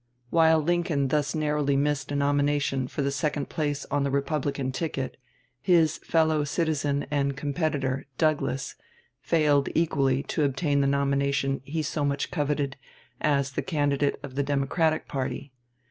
While Lincoln thus narrowly missed a nomination for the second place on the Republican ticket, his fellow citizen and competitor, Douglas, failed equally to obtain the nomination he so much coveted as the candidate of the Democratic party.